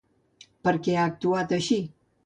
Per què ha actuat així?